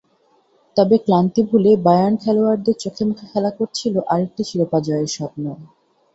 তবে ক্লান্তি ভুলে বায়ার্ন খেলোয়াড়দের চোখে-মুখে খেলা করছিল আরেকটি শিরোপা জয়ের স্বপ্ন।